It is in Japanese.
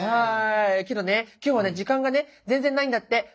けどね今日はね時間がね全然ないんだって。